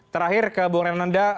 terakhir ke bung renanda